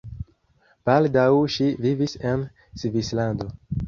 Baldaŭ ŝi vivis en Svislando.